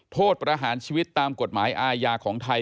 โทษประหารชีวิตตามกฎหมายอาญาของไทย